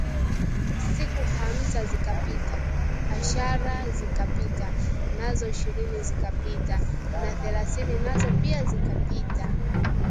Siku hamsa zikapita, ashara zikapita, nazo ishirini zikapita na thelathini nazo pia zikapita